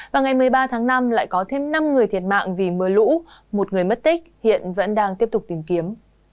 và ngày một mươi ba tháng năm lại có thêm năm người thiệt mạng vì mưa lũ một người mất tích hiện vẫn đang tiếp tục tìm kiếm